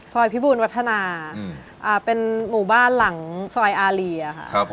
พิบูลวัฒนาเป็นหมู่บ้านหลังซอยอารีค่ะ